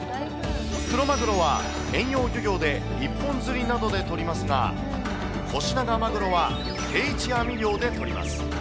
クロマグロは遠洋漁業で一本釣りなどで取りますが、コシナガマグロは定置網漁で取ります。